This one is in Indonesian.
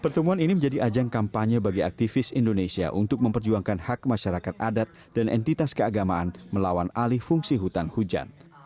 pertemuan ini menjadi ajang kampanye bagi aktivis indonesia untuk memperjuangkan hak masyarakat adat dan entitas keagamaan melawan alih fungsi hutan hujan